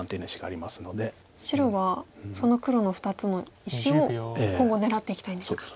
白はその黒の２つの石をほぼ狙っていきたいんですか。